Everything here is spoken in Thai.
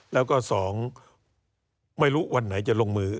แล้วก็๒ไม่รู้วันไหนจะลงมือ